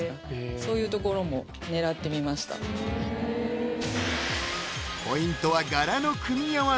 そういうところも狙ってみましたポイントは柄の組み合わせ